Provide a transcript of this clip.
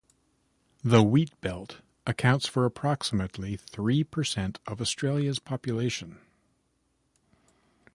The Wheatbelt accounts for approximately three per cent of Western Australia's population.